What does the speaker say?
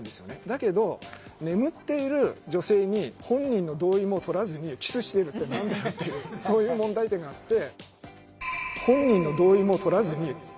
だけど眠っている女性に本人の同意もとらずにキスしてるって何だよっていうそういう問題点があって。